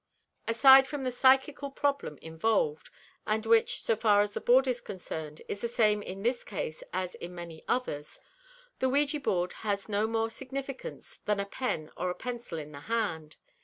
Aside from the psychical problem involved—and which, so far as the board is concerned, is the same in this case as in many others—the ouija board has no more significance than a pen or a pencil in the hand.